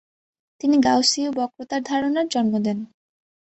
তিনি গাউসীয় বক্রতার ধারণার জন্ম দেন।